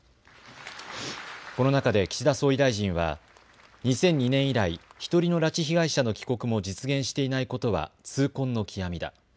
この中で岸田総理大臣は２００２年以来、１人の拉致被害者の帰国も実現していないことは痛恨の極みだ。